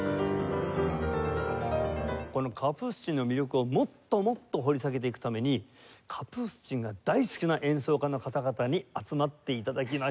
このカプースチンの魅力をもっともっと掘り下げていくためにカプースチンが大好きな演奏家の方々に集まって頂きました。